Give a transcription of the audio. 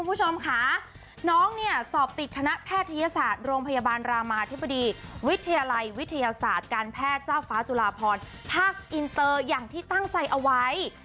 คุณผู้ชมค่ะน้องเนี่ยสอบติดคณะแพทยศาสตร์โรงพยาบาลรามาธิบดีวิทยาลัยวิทยาศาสตร์การแพทย์เจ้าฟ้าจุลาพรภาคอินเตอร์อย่างที่ตั้งใจเอาไว้